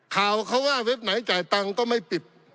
ข่าวเขาว่าเว็บไหนจ่ายตังค์ก็ไม่ปิด